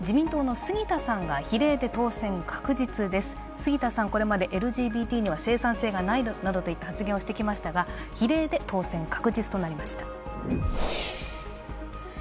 杉田さん、これまでＬＧＢＴには生産性がないなどと発言をしてきましたが比例で当選確実となりました。